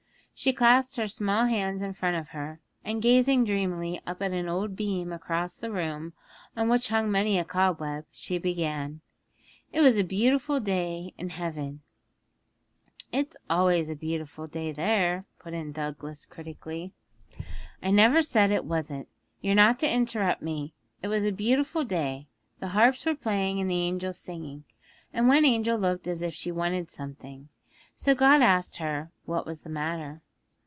She clasped her small hands in front of her, and gazing dreamily up at an old beam across the room, on which hung many a cobweb, she began, 'It was a beautiful day in heaven ' 'It's always a beautiful day there,' put in Douglas critically. 'I never said it wasn't. You're not to interrupt me. It was a beautiful day, the harps were playing and the angels singing, and one angel looked as if she wanted something. So God asked her what was the matter.